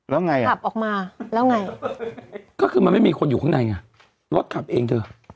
แล้วไงอ่ะขับออกมาแล้วไงก็คือมันไม่มีคนอยู่ข้างในไงรถขับเองเถอะ